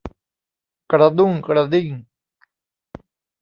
กระดุ้งกระดิ้ง